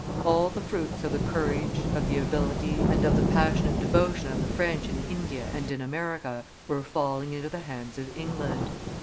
All the fruits of the courage, of the ability, and of the passionate devotion of the French in India and in America were falling into the hands of England.